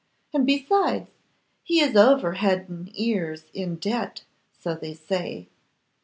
And, besides, he is over head and ears in debt, so they say.